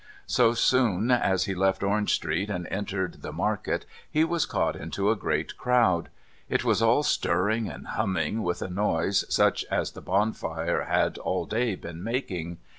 So soon as he left Orange Street and entered the market he was caught into a great crowd. It was all stirring and humming with a noise such as the bonfire had all day been making.